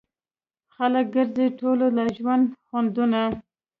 خلک ګرځي ټولوي له ژوند خوندونه